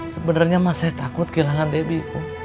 sebenarnya mah saya takut kehilangan debbie